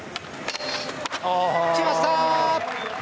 きました！